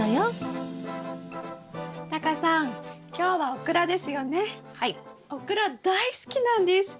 オクラ大好きなんです！